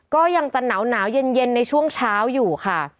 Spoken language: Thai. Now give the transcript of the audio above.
ก็ยังจะหนาวเย็นในช่วงเช้าอยู่ค่ะ